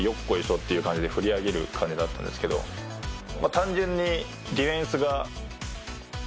単純に。